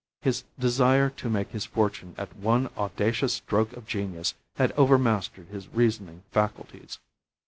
His desire to make his fortune at one audacious stroke of genius had overmastered his reasoning faculties.